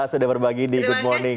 sudah berbagi di good morning